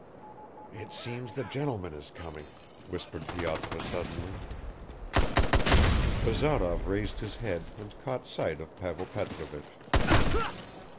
." "It seems the gentleman is coming," whispered Pyotr suddenly. Bazarov raised his head and caught sight of Pavel Petrovich.